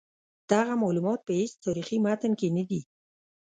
دغه معلومات په هیڅ تاریخي متن کې نه دي.